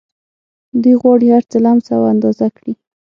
دوی غواړي هرڅه لمس او اندازه کړي